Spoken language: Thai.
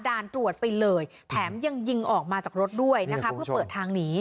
ด่านตรวจไปเลยแถมยังยิงออกมาจากรถด้วยนะคะเพื่อเปิดทางหนี